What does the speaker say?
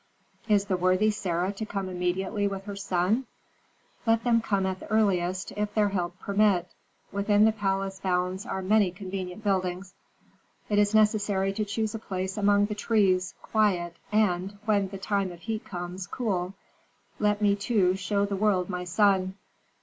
"Is the worthy Sarah to come immediately with her son?" "Let them come at the earliest, if their health permit. Within the palace bounds are many convenient buildings. It is necessary to choose a place among the trees, quiet, and, when the time of heat comes, cool. Let me, too, show the world my son."